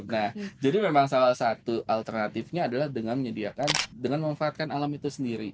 nah jadi memang salah satu alternatifnya adalah dengan menyediakan dengan memanfaatkan alam itu sendiri